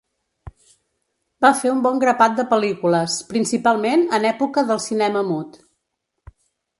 Va fer un bon grapat de pel·lícules, principalment en època del cinema mut.